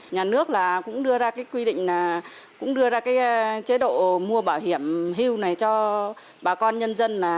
nhà nước cũng đưa ra cái quy định là cũng đưa ra chế độ mua bảo hiểm hưu này cho bà con nhân dân